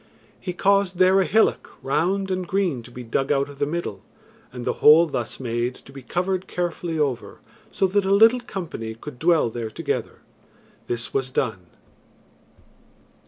He caused there a hillock, round and green, to be dug out of the middle, and the hole thus made to be covered carefully over so that a little company could dwell there together. This was done.